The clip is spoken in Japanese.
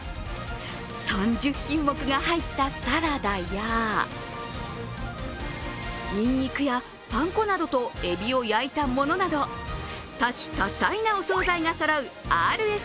３０品目が入ったサラダやにんにくやパン粉などとえびを焼いたものなど多種多彩なお総菜がそろうＲＦ